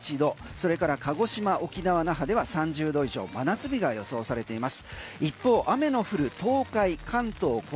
それから鹿児島、沖縄・那覇では３０度以上、真夏日が予想されています。